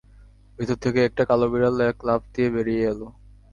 ভেতর থেকে একটা কালো বিড়াল এক লাফ দিয়ে বেরিয়ে এল।